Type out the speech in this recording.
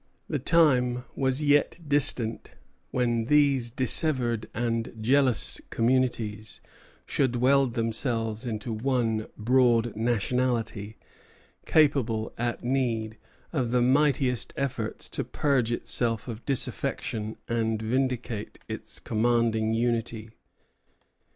The time was yet distant when these dissevered and jealous communities should weld themselves into one broad nationality, capable, at need, of the mightiest efforts to purge itself of disaffection and vindicate its commanding unity.